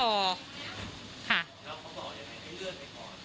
แล้วเขาบอกยังไงให้เลื่อนไปก่อน